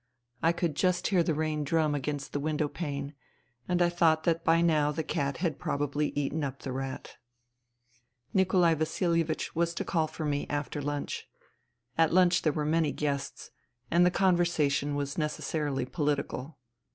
I could just hear the rain drum against the window pane ; and I thought that by now the cat had probably eaten up the rat. II Nikolai Vasilievich was to call for me after lunch. At lunch there were many guests, and the con versation was necessarily political.